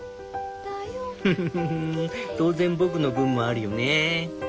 「フフフ当然僕の分もあるよね」。